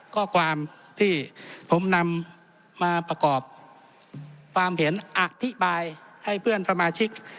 ข้อความที่ผมนำมาประกอบความเห็นอธิบายให้เพื่อนสมาชิก